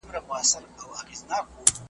چي خپلواک مي کړي له واک د غلامانو .